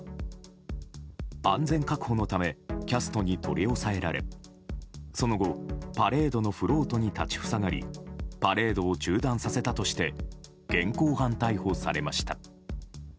安全確保のためキャストに取り押さえられその後、パレードのフロートに立ち塞がりパレードを中断させたとして現行犯逮捕されました。